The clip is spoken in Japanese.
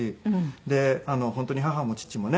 で本当に母も父もね